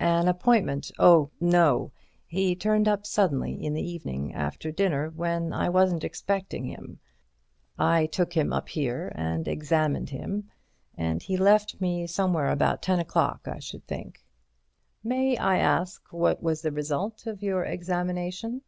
"An appointment? Oh, no! He turned up suddenly in the evening after dinner when I wasn't expecting him. I took him up here and examined him, and he left me somewhere about ten o'clock, I should think." "May I ask what was the result of your examination?"